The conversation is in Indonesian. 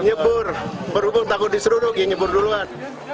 nyebur berhubung takut diseruduk ya nyebur duluan